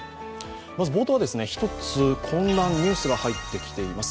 まず冒頭は一つ、ニュースが入ってきています。